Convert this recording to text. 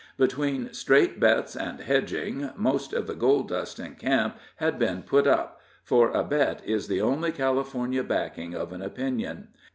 Between "straight bets" and "hedging" most of the gold dust in camp had been "put up," for a bet is the only California backing of an opinion.